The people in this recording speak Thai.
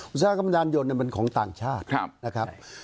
อุตสาหกรรมยานยนต์เป็นของต่างชาตินะครับ